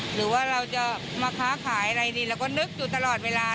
หรือว่าเราจะมาค้าขายอะไรดีเราก็นึกอยู่ตลอดเวลา